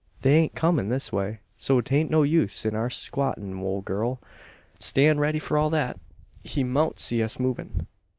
"They aint comin' this way, so 'tain't no use in our squattin', ole gurl. Stan' steady for all that. He mout see us movin'.